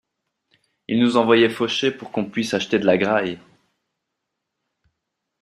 Il nous envoyait faucher pour qu’on puisse acheter de la graille.